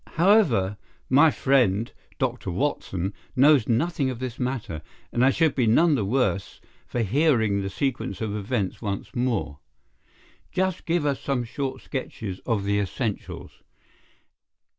However, my friend, Dr. Watson, knows nothing of this matter, and I should be none the worse for hearing the sequence of events once more. Just give us some short sketches of the essentials."